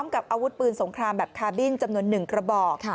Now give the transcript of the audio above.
กับอาวุธปืนสงครามแบบคาร์บินจำนวน๑กระบอก